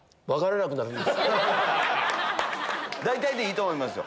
大体でいいと思いますよ。